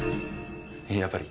やっぱり？